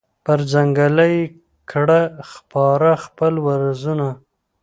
پر ځنګله یې کړل خپاره خپل وزرونه